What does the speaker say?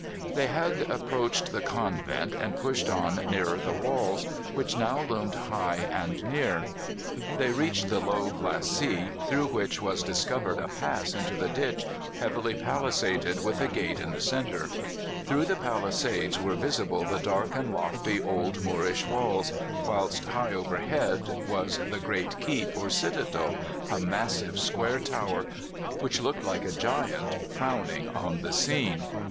They had approached the convent and pushed on nearer the walls, which now loomed high and near. They reached the low glacis, through which was discovered a pass into the ditch, heavily palisaded with a gate in the centre. Through the palisades were visible the dark and lofty old Moorish walls, whilst high overhead was the great keep or citadel, a massive square tower, which looked like a giant frowning on the scene.